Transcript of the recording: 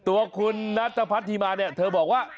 ตัวคุณนัทพัฒนธิมาเนี่ยเธอบอกว่า